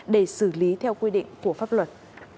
để xử lý theo quy định của pháp luật